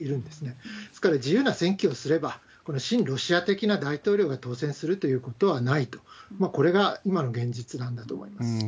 ですから自由な選挙をすれば、親ロシア的な大統領が当選するということはないと、これが今の現実なんだと思います。